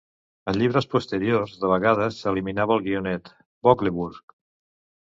En llibres posteriors de vegades s'eliminava el guionet: "Wogglebug".